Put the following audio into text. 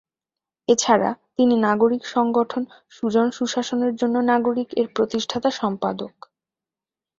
এছাড়া তিনি নাগরিক সংগঠন ‘সুজন-সুশাসনের জন্য নাগরিক’-এর প্রতিষ্ঠাতা সম্পাদক।